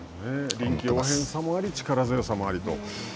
臨機応変さもあり力強さもありと。